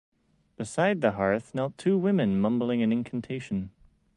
Beside the hearth knelt two women mumbling an incantation.